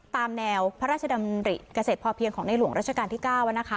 ตามแนวพระราชดำริเกษตรพอเพียงของในหลวงราชการที่๙